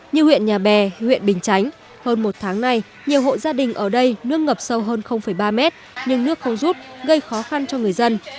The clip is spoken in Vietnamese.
như huyện nhà bè huyện bình chánh hơn một tháng nay nhiều hộ gia đình ở đây nước ngập sâu hơn ba mét nhưng nước không rút gây khó khăn cho người dân